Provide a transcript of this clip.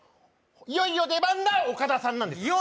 いよいよ出番だ岡田さんなんですよ